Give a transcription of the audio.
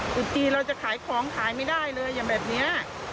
จุดจีนเราจะขายของขายไม่ได้เลยอย่างแบบนี้